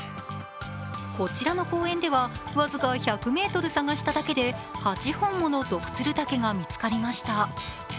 こちらの公園ではわずか１００ｍ探しただけで８本ものドクツルタケが見つかりました。